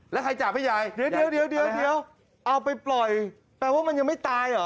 แล้วใครจับให้ยายเดี๋ยวเอาไปปล่อยแปลว่ามันยังไม่ตายเหรอ